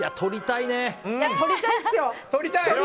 取りたいっすよ。